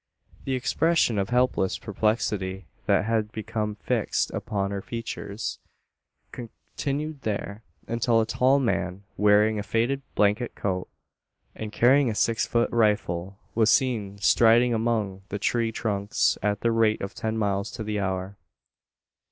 The expression of helpless perplexity that had become fixed upon her features, continued there; until a tall man, wearing a faded blanket coat, and carrying a six foot rifle, was seen striding among the tree trunks, at the rate of ten miles to the hour.